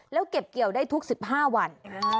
แล้วเก็บเกี่ยวได้ทุก๑๕วัน